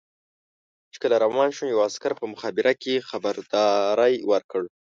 چې کله روان شوم یوه عسکر په مخابره کې خبرداری ورکړ.